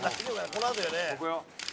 ここよ。